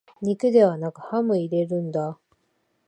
肉ではなくハム入れるんだ